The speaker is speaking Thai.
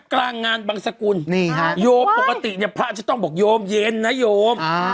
กลางงานบังสกุลโยมปกติเนี่ยพระจะต้องบอกโยมเย็นนะโยม